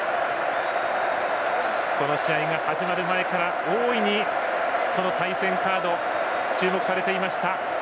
この試合が始まる前から大いにこの対戦カード注目されていました。